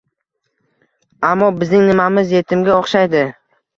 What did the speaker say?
— Ammo, bizning nimamiz yetimga o'xshaydi?